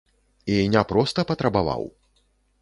І не проста патрабаваў.